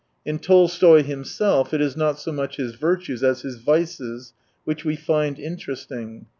In Tolstoy himself it is not so much his virtues as his vices which we find interesting.